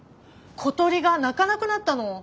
小鳥が鳴かなくなったの。